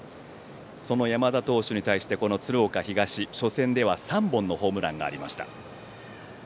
その山田投手に対して鶴岡東初戦では３本のホームランがありました。